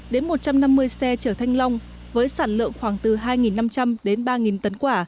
từ một trăm ba mươi đến một trăm năm mươi xe trở thanh long với sản lượng khoảng từ hai năm trăm linh đến ba tấn quả